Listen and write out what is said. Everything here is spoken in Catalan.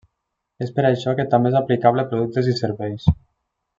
És per això, que també és aplicable a productes i serveis.